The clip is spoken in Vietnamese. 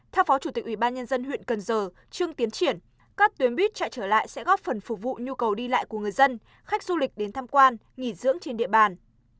theo phó chủ tịch ubnd huyện cần giờ trương tiến triển các tuyến buýt chạy trở lại sẽ góp phần phục vụ nhu cầu đi lại của người dân khách du lịch đến tham quan nghỉ dưỡng trên địa bàn